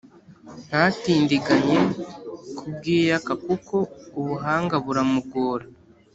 ntatindiganye kubwiyaka kuko ubuhanga buramugora